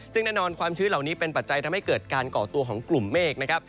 ซึ่งแน่นอนความชื้นเหล่านี้เป็นปัจจัยทำให้เกิดการก่อตัวของกลุ่มเมฆนะครับ